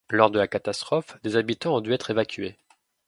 Lors de la catastrophe, des habitants ont dû être évacués.